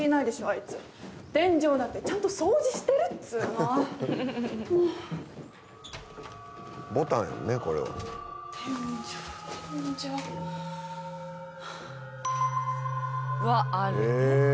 あいつ天井だってちゃんと掃除してるっつうの天井天井あっ